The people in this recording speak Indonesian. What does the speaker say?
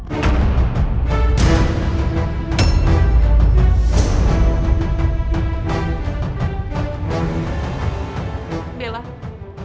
dekat zusah keseluruhan dela tidak akan muncul